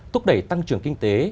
túc đẩy tăng trưởng kinh tế